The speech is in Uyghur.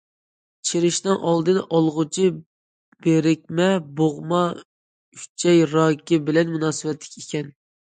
چىرىشنىڭ ئالدىنى ئالغۇچى بىرىكمە بوغما ئۈچەي راكى بىلەن مۇناسىۋەتلىك ئىكەن.